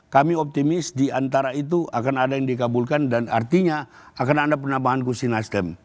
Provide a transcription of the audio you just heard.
kami optimis di antara itu akan ada yang dikabulkan dan artinya akan ada penambahan kursi nasdem